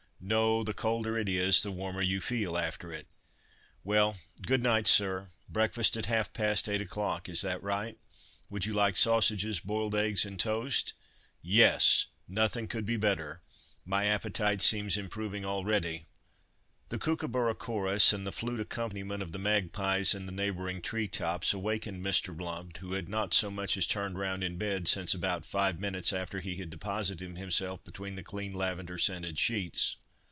"No—the colder it is, the warmer you feel after it." "Well, good night, sir! Breakfast at half past eight o'clock. Is that right? Would you like sausages, boiled eggs and toast?" "Yes! nothing could be better. My appetite seems improving already." The Kookaburra chorus, and the flute accompaniment of the magpies in the neighbouring tree tops, awakened Mr. Blount, who had not so much as turned round in bed since about five minutes after he had deposited himself between the clean lavender scented sheets.